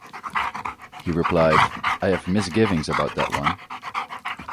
He replied: I have misgivings about that one.